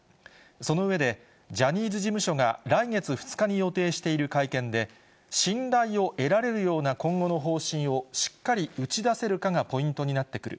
その上で、ジャニーズ事務所が来月２日に予定している会見で、信頼を得られるような今後の方針をしっかり打ち出せるかがポイントになってくる。